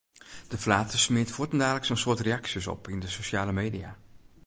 De flater smiet fuortendaliks in soad reaksjes op yn de sosjale media.